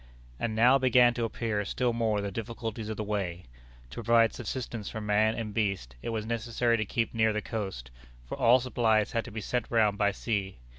And now began to appear still more the difficulties of the way. To provide subsistence for man and beast, it was necessary to keep near the coast, for all supplies had to be sent round by sea.